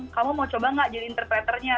kamu mau coba nggak jadi interpreter nya